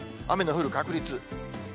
雨の降る確率。